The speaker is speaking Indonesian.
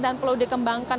dan perlu dikembangkan